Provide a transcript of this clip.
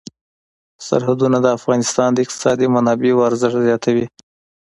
سرحدونه د افغانستان د اقتصادي منابعو ارزښت زیاتوي.